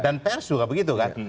dan pes juga begitu kan